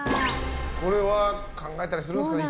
これは考えたりするんですかね。